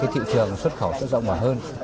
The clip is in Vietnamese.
thị trường xuất khẩu sẽ rộng mở hơn